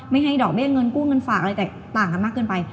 ให้ดอกเบี้ยเงินกู้เงินฝากอะไรแตกต่างกันมากเกินไป